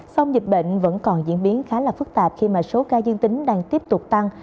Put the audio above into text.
song dịch bệnh vẫn còn diễn biến khá là phức tạp khi mà số ca dương tính đang tiếp tục tăng